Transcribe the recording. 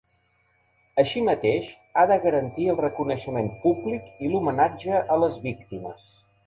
Així mateix, ha de garantir el reconeixement públic i l’homenatge a les víctimes.